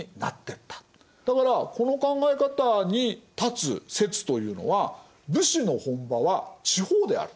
だからこの考え方に立つ説というのは武士の本場は地方である。